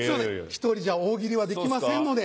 １人じゃ大喜利はできませんので。